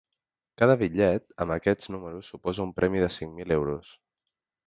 Cada bitllet amb aquests números suposa un premi de cinc mil euros.